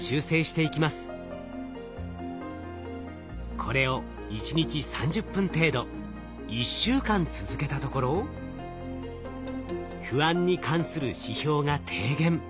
これを１日３０分程度１週間続けたところ不安に関する指標が低減。